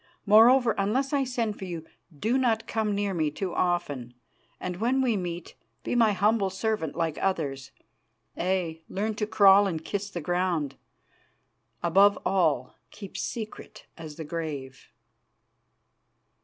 Moreover, unless I send for you, do not come near me too often, and, when we meet, be my humble servant, like others; aye, learn to crawl and kiss the ground. Above all, keep secret as the grave.